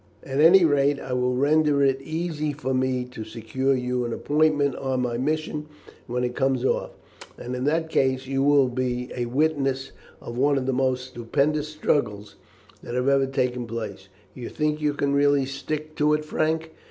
At any rate it will render it easy for me to secure you an appointment on my mission when it comes off, and in that case you will be a witness of one of the most stupendous struggles that has ever taken place. You think you can really stick to it, Frank?